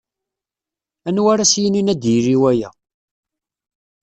Anwa ara as-yinin ad d-yili waya.